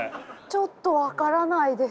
ちょっと分からないです。